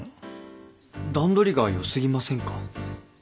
段取りが良すぎませんか？